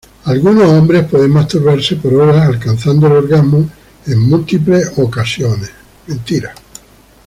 Algunos hombres pueden masturbarse por horas, alcanzando el orgasmo en múltiples ocasiones.